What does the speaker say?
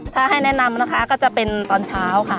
ถ้าให้แนะนำนะคะก็จะเป็นตอนเช้าค่ะ